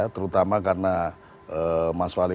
terutama karena mas wali